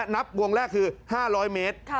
นับวงแรกคือ๕๐๐เมตร